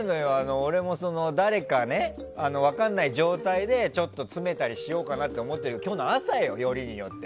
俺も誰か分からない状態でちょっと詰めたりしようかなと思ってたら今日の朝よ、よりによって。